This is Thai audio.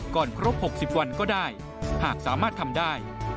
ครบ๖๐วันก็ได้หากสามารถทำได้